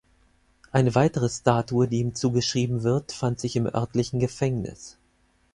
Eine weitere Statue, die ihm zugeschrieben wird, fand sich im örtlichen Gefängnis.